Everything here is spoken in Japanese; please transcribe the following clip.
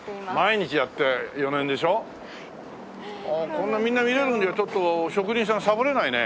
こんなみんな見られるんじゃちょっと職人さんサボれないね。